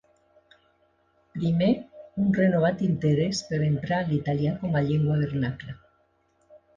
Primer, un renovat interès per emprar l’italià com a llengua vernacla.